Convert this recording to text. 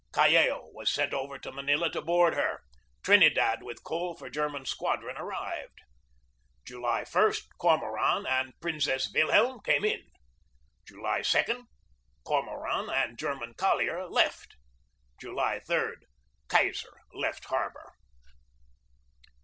Callao was sent over to Manila to board her. Trinidad with coal for German Squad ron arrived. "July i Cormoran and Prinzess Wilhelm came in. "July 2 Cormoran and German collier left. "July 3 Kaiser left harbor."